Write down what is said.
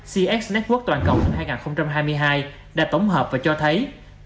cx network toàn cộng năm hai nghìn hai mươi hai đã tổng hợp và cho thấy